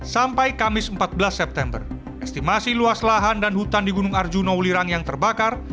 sampai kamis empat belas september estimasi luas lahan dan hutan di gunung arjuna wulirang yang terbakar